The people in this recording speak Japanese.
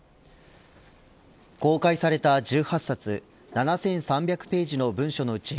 公開された１８冊７３００ページの文書のうち